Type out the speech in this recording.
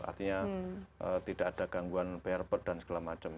artinya tidak ada gangguan bayar per dan segala macam